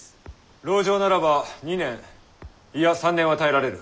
籠城ならば２年いや３年は耐えられる。